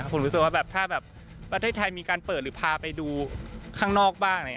ผมรู้สึกว่าแบบถ้าแบบประเทศไทยมีการเปิดหรือพาไปดูข้างนอกบ้าง